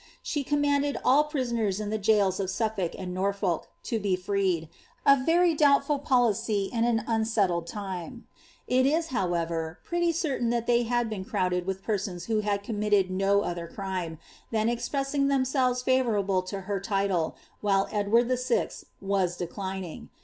She commanded all prisoners in the gaols of Sullidk and Nor> folk to be freed — a very doubtful policy in an unsetileil time ; it is, how ever, pretty certain that they had been crowded with persons who had cuftuuiiled no other crime, than expressing themselves fitvourobly to hoT title, while Edward VI. was declining.